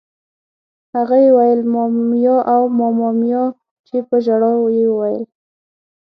هغه یې ویل: مامیا! اوه ماما میا! چې په ژړا یې وویل.